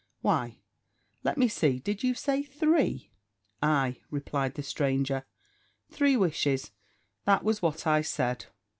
"Why, let me see did you say three?" "Ay," replied the stranger, "three wishes that was what I said."